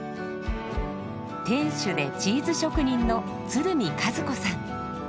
店主でチーズ職人の鶴見和子さん。